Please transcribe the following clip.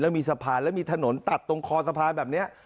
มีสะพานแล้วมีถนนตัดตรงคอสะพานแบบนี้